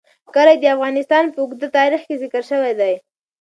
کلي د افغانستان په اوږده تاریخ کې ذکر شوی دی.